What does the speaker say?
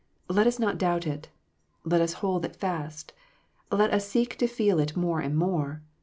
Let us not doubt it. Let us hold it fast. Let us seek to feel it more and more.